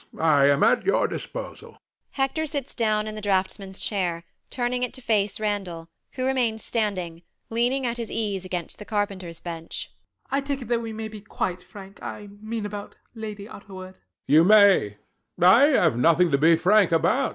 I am at your disposal. Hector sits down in the draughtsman's chair, turning it to face Randall, who remains standing, leaning at his ease against the carpenter's bench. RANDALL. I take it that we may be quite frank. I mean about Lady Utterword. HECTOR. You may. I have nothing to be frank about.